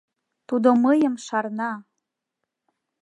— Тудо мыйым шарна!